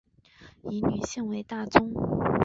以女性为大宗